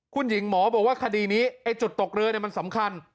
คุณหญิงหมอบอกว่าคดีนี้ไอ้จุดตกเรือมันสำคัญ